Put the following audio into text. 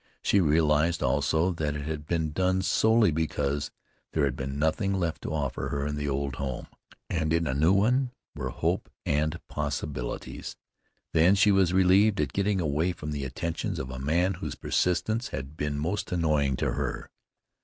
She realized also that it had been done solely because there had been nothing left to offer her in the old home, and in a new one were hope and possibilities. Then she was relieved at getting away from the attentions of a man whose persistence had been most annoying to her.